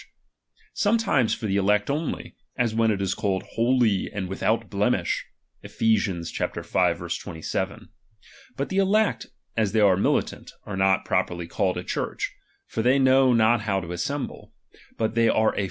^H Sometimes for the elect only, as when it is called ^H hohf and withovt hlemish {Ephes. v, 27). But the ^H elect, as they are militant, are not properly called ^H a Church ; for they know not how to assemble ; ^H but they are a.